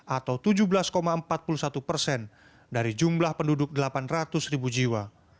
atau tujuh belas empat puluh satu persen dari jumlah penduduk delapan ratus ribu jiwa